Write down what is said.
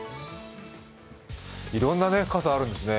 いろんな傘あるんですね。